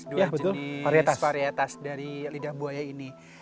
dua jenis varietas varietas dari lidah buaya ini